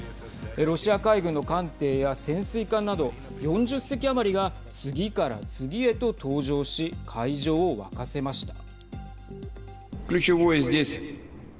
ロシア海軍の艦艇や潜水艦など４０隻余りが次から次へと登場し会場を沸かせました。